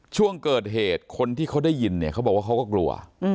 ช่วงเกิดเหตุคนที่เขาได้ยินเนี่ยเขาบอกว่าเขาก็กลัว